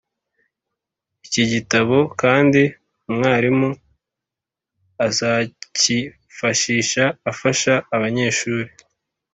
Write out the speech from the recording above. iki gitabo kandi umwarimu azakifashisha afasha abanyeshuri